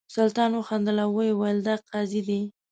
سلطان وخندل او ویل یې دا قاضي دی.